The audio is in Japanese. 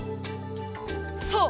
そう！